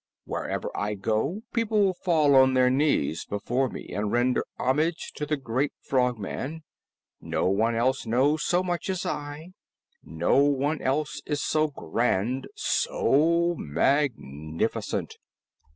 Wherever I go, people fall on their knees before me and render homage to the Great Frogman! No one else knows so much as I; no one else is so grand, so magnificent!"